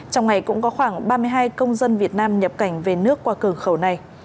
trong ngày cũng có khoảng ba mươi hai công dân việt nam nhập cảnh về nước qua cửa khẩu này